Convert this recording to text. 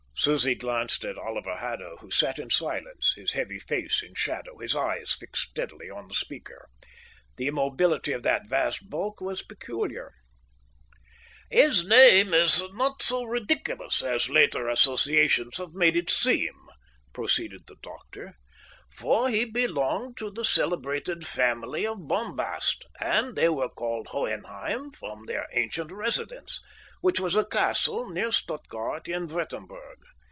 Susie glanced at Oliver Haddo, who sat in silence, his heavy face in shadow, his eyes fixed steadily on the speaker. The immobility of that vast bulk was peculiar. "His name is not so ridiculous as later associations have made it seem," proceeded the doctor, "for he belonged to the celebrated family of Bombast, and they were called Hohenheim after their ancient residence, which was a castle near Stuttgart in Würtemberg.